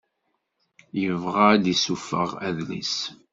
Yebɣa ad d-isuffeɣ adlis.